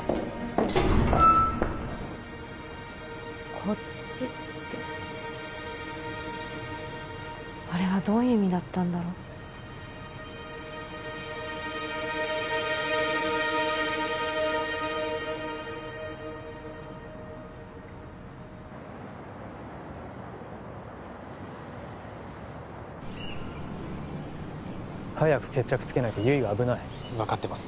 「こっち」ってあれはどういう意味だったんだろう早く決着つけないと悠依が危ない分かってます